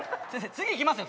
次いきますよ